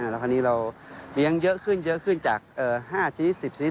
แล้วพอนี้เราเลี้ยงเยอะขึ้นจาก๕ชนิด๑๐ชนิด